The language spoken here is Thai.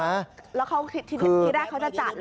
ที่แรกเค้าจะจัดแล้วเขายกเลิกไป